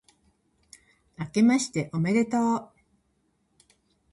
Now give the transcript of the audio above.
あけましておめでとう、